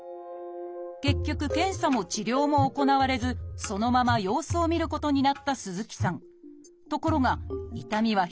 結局検査も治療も行われずそのまま様子を見ることになった鈴木さん。